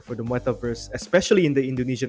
untuk metaverse terutama dalam konteks indonesia